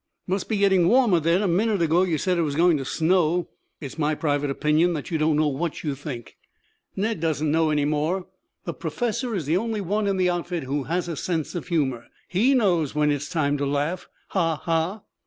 "Must be getting warmer, then. A minute ago you said it was going to snow. It's my private opinion that you don't know what you think. Ned doesn't know any more. The professor is the only one in the outfit who has a sense of humor. He knows when it's time to laugh. Ha, ha!"